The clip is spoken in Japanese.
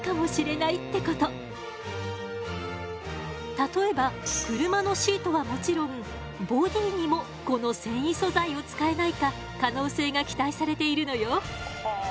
例えば車のシートはもちろんボティにもこの繊維素材を使えないか可能性が期待されているのよ。